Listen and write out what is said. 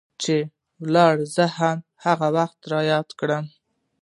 ته چې ولاړي زه هغه وخت رایاد کړم